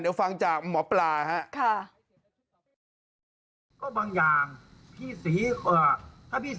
เดี๋ยวฟังจากหมอปลาครับ